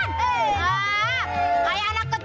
elah jadi miliarder